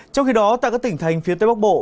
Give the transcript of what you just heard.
trong khi đó tại các tỉnh thành phía tây bắc bộ